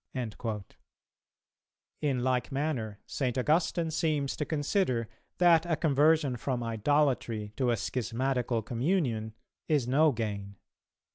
"[269:2] In like manner St Augustine seems to consider that a conversion from idolatry to a schismatical communion is no gain.